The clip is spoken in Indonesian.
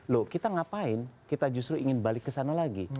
loh kita ngapain kita justru ingin balik ke sana lagi